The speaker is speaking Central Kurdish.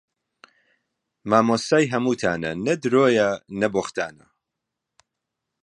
مامۆستای هەمووتانە نە درۆیە نە بووختانە